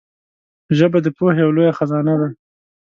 ژبه د پوهې یو لوی خزانه ده